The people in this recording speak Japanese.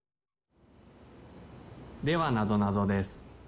・ではなぞなぞです。